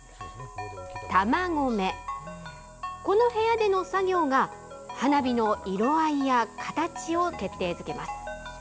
この部屋での作業が花火の色合いや形を決定付けます。